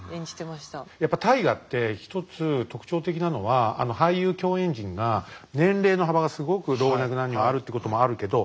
やっぱ「大河」って一つ特徴的なのは俳優共演陣が年齢の幅がすごく老若男女があるってこともあるけど